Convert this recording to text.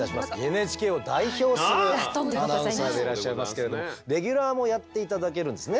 ＮＨＫを代表するアナウンサーでいらっしゃいますけれどもレギュラーもやって頂けるんですね？